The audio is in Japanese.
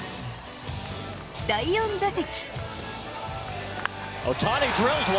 第４打席。